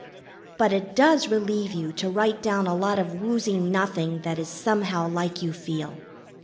But it does relieve you to write down a lot of woozy nothing that is somehow like you feel.